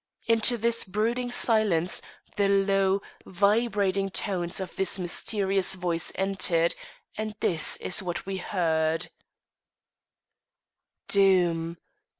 Into this brooding silence the low, vibrating tones of this mysterious voice entered, and this is what we heard: "_Doom!